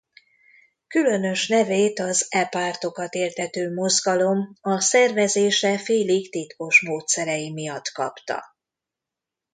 Különös nevét az e pártokat éltető mozgalom a szervezése félig titkos módszerei miatt kapta.